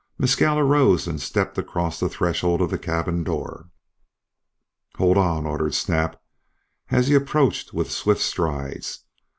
Mescal arose and stepped across the threshold of the cabin door. "Hold on!" ordered Snap, as he approached with swift strides.